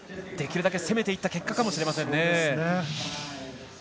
できるだけ攻めていった結果かもしれません。